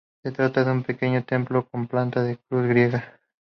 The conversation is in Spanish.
Se trata de un pequeño templo con planta de cruz griega.